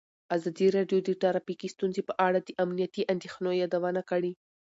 ازادي راډیو د ټرافیکي ستونزې په اړه د امنیتي اندېښنو یادونه کړې.